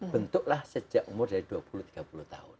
bentuklah sejak umur dari dua puluh tiga puluh tahun